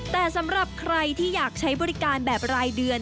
แต่สำหรับใครที่อยากใช้บริการแบบรายเดือน